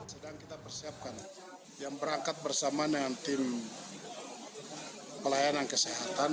sedang kita persiapkan yang berangkat bersama dengan tim pelayanan kesehatan